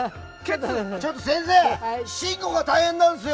ちょっと、先生信五が大変なんですよ！